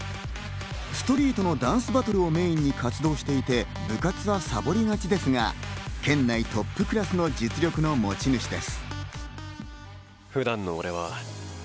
ストリートのダンスバトルをメインに活動していて、部活はサボりがちですが、県内トップクラスの実力の持ち主です。